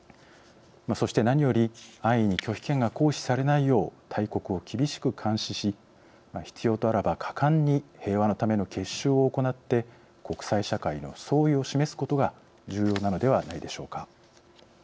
そして何より安易に拒否権が行使されないよう大国を厳しく監視し必要とあらば果敢に平和のための結集を行って国際社会の総意を示すことが重要なのではないでしょうか。